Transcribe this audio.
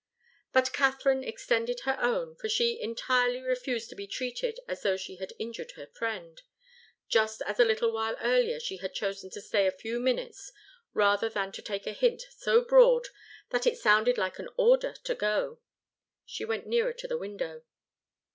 But Katharine extended her own, for she entirely refused to be treated as though she had injured her friend, just as a little while earlier, she had chosen to stay a few minutes rather than to take a hint so broad that it sounded like an order to go. She went nearer to the window.